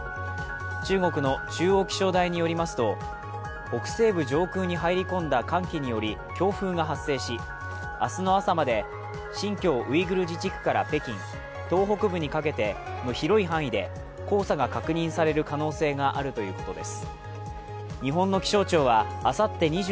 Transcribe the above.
中国の中央気象台によりますと、北西部上空に入り込んだ寒気により強風が発生し、明日の朝まで新疆ウイグル自治区から北京東北部にかけての広い範囲で黄砂が確認される可能性があるということです。